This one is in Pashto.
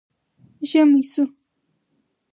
ژمی شو